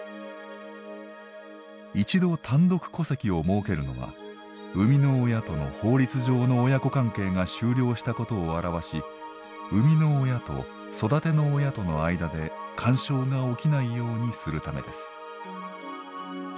一度単独戸籍を設けるのは生みの親との法律上の親子関係が終了したことを表し生みの親と育ての親との間で干渉が起きないようにするためです。